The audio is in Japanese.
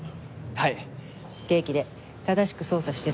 はい！